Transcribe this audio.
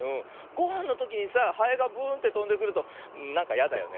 ごはんのときにさハエがブーンってとんでくるとなんかやだよね。